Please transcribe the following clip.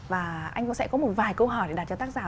và anh cũng sẽ có một vài câu hỏi để đạt cho tác giả